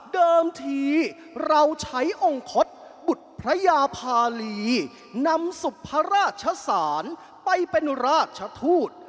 เดิมทีเราใช้องค์คตบุตรพระยาภาลีนำสุพระราชศาลไปเป็นราชทูต